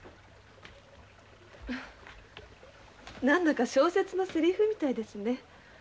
何だか小説の台詞みたいですね。